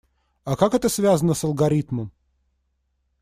А как это связано с алгоритмом?